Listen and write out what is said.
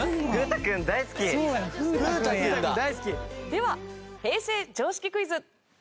では平成常識クイズ。